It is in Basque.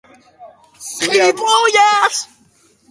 Hala eta guztiz ere, ez du baztertzen aurrerago berarekin elkartzea.